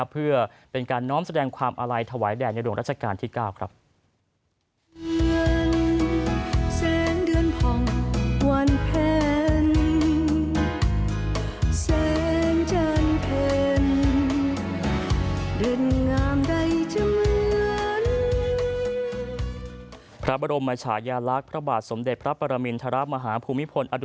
เพื่อเป็นการน้อมแสดงความอาลัยถวายแด่ในหลวงราชการที่๙ครับ